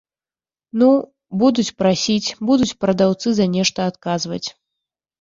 Ну, будуць прасіць, будуць прадаўцы за нешта адказваць.